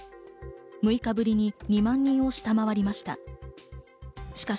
６日ぶりに２万人を下回りました。